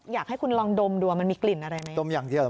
อยากให้คุณลองดมดูมันมีกลิ่นอะไรไหมดมอย่างเดียวเห